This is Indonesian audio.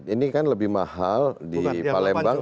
ini kan lebih mahal di palembang